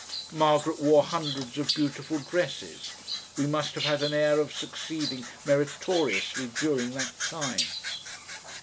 Margaret wore hundreds of beautiful dresses. We must have had an air of succeeding meritoriously during that time.